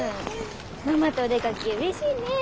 ママとお出かけうれしいね。